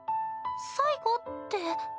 最後って。